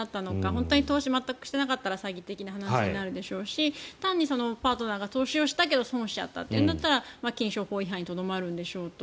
本当に投資を全くしていなかったら詐欺的な話になるでしょうし単にパートナーが投資をしたけど損をしちゃったというんだったら金商法違反にとどまるんでしょうと。